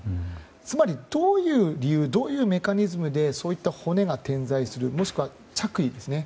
つまり、どういう理由どういうメカニズムでそういった骨が点在するもしくは着衣ですね